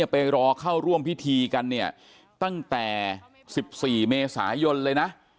ไปรอเข้าร่วมพิธีกันเนี่ยตั้งแต่๑๔เมษายนเลยนะ